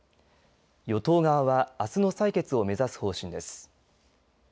与党側はあすの採決を目指す方針です。